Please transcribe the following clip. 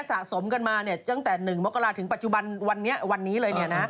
สะสมกันมาจาก๑มกราคมถึงปัจจุบันวันนี้เลย